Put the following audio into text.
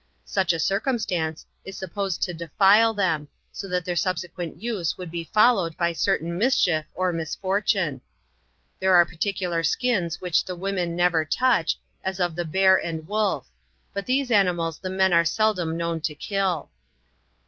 Such a circnmstance is supposed to defile them, so' that their subsequent use would be follow ed by certain mischief or misfortune. There are particular skins which the women never touch, as of the bear and wolf; but those animals the men are seldom known to kill.